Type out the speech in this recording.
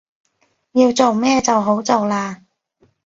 要做咩就好做喇